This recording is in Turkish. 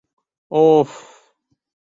Oof!